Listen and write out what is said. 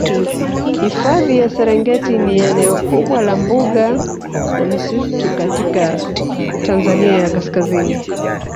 Hifadhi ya Serengeti ni eneo kubwa la mbuga na misitu katika Tanzania ya kaskazini